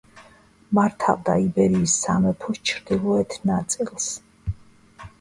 მართავდა იბერიის სამეფოს ჩრდილოეთ ნაწილს.